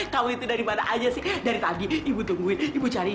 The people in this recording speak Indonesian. kalau itu dari mana aja sih dari tadi ibu tungguin ibu cariin